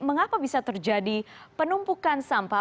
mengapa bisa terjadi penumpukan sampah